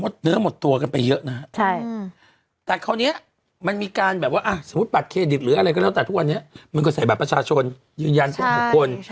ใช่มันก็ใส่บัตรประชาชนยืนยันทุกอย่างหมดคน